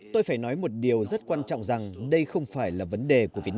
tôi phải nói một điều rất quan trọng rằng đây không phải là vấn đề của việt nam